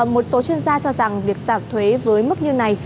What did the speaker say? một số chuyên gia cho rằng việc giảm thuế với mức như này